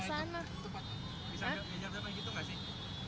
bisa ngejar ngejar gitu nggak sih